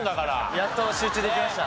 やっと集中できました。